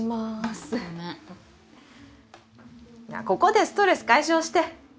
ここでストレス解消して。